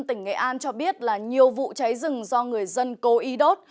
tỉnh nghệ an cho biết là nhiều vụ cháy rừng do người dân cố ý đốt